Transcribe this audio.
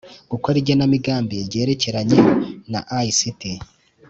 gukora igenamigambi ryerekeranye na ict